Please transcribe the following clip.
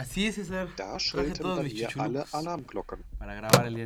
Da schrillten bei mir alle Alarmglocken.